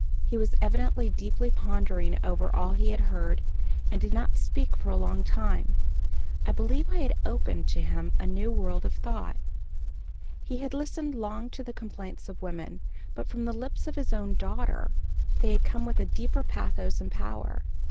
He was evidently deeply pondering over all he had heard, and did not speak for a long time. I believed I had opened to him a new world of thought. He had listened long to the complaints of women, but from the lips of his own daughter they had come with a deeper pathos and power.